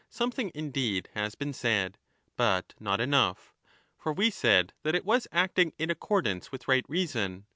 i2o8^ MAGNA MORALIA something indeed has been said,^ but not enough. For we said that it was acting in accordance with right reason.